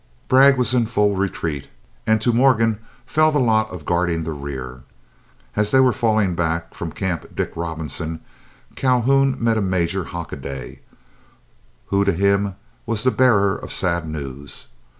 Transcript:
Bragg was in full retreat, and to Morgan fell the lot of guarding the rear. As they were falling back from Camp Dick Robinson, Calhoun met a Major Hockoday, who to him was the bearer of sad news.